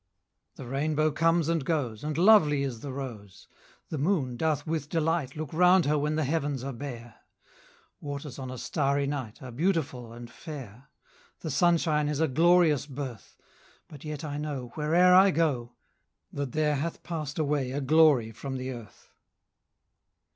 The rainbow comes and goes, 10 And lovely is the rose; The moon doth with delight Look round her when the heavens are bare; Waters on a starry night Are beautiful and fair; 15 The sunshine is a glorious birth; But yet I know, where'er I go, That there hath pass'd away a glory from the earth.